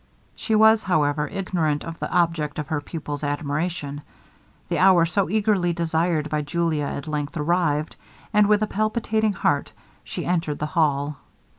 She was, however, ignorant of the object of her pupil's admiration. The hour so eagerly desired by Julia at length arrived, and with a palpitating heart she entered the hall.